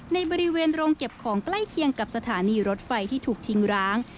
ในบริเวณโรงเก็บของใกล้เคียงกับสถานีรถไฟที่ถูกทิ้งร้าง